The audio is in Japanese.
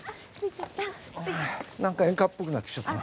何か演歌っぽくなってきちゃったな。